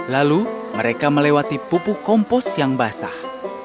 lalu mereka melewati pupuk kompos yang basah